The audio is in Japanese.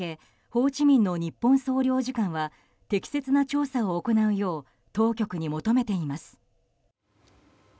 ホーチミンの日本総領事館は適切な調査を行うよう当局に求めています。